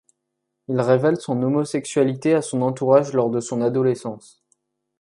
Il révèle son homosexualité à son entourage lors de son adolescence.